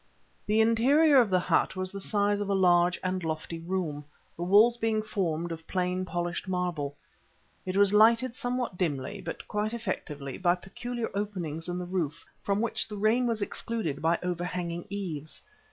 The interior of the hut was the size of a large and lofty room, the walls being formed of plain polished marble. It was lighted somewhat dimly, but quite effectively, by peculiar openings in the roof, from which the rain was excluded by overhanging eaves.